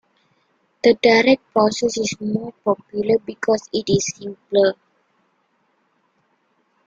The direct process is more popular because it is simpler.